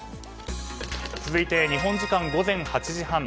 続いて日本時間午前８時半。